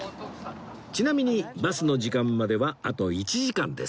ちなみにバスの時間まではあと１時間です